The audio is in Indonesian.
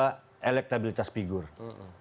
ketiga suara berasakan pemerintahan